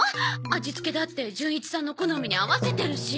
味付けだって純一さんの好みに合わせてるし。